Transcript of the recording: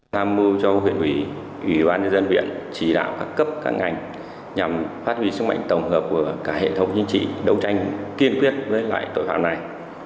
tham mưu cho huyện ủy ủy ban nhân dân huyện chỉ đạo các cấp các ngành nhằm phát huy sức mạnh tổng hợp của cả hệ thống chính trị đấu tranh kiên quyết với loại tội phạm này